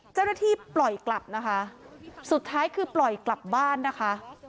เจ้าหน้าที่ปล่อยกลับนะคะสุดท้ายคือปล่อยกลับบ้านนะคะ